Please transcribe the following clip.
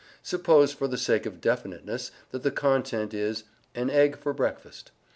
Suppose, for the sake of definiteness, that the content is "an egg for breakfast."